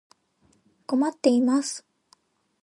困っています。